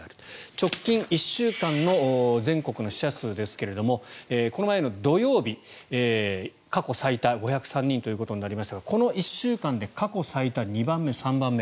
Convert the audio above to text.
直近１週間の全国の死者数ですがこの前の土曜日、過去最多５０３人ということになりましたがこの１週間で過去最多、２番目、３番目。